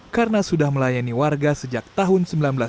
karena sudah melayani warga sejak tahun seribu sembilan ratus tiga puluh satu